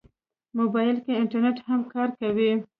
موبایل کې انټرنیټ هم کار کوي.